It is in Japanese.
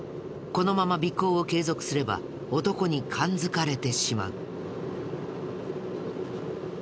このまま尾行を継続すれば男に感づかれてしまう。